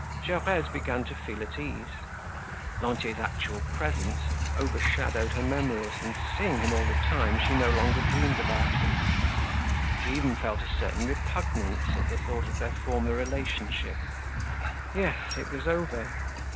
Gervaise began to feel at ease. Lantier's actual presence overshadowed her memories, and seeing him all the time, she no longer dreamed about him. She even felt a certain repugnance at the thought of their former relationship. Yes, it was over.